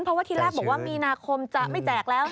เพราะว่าที่แรกบอกว่ามีนาคมจะไม่แจกแล้ว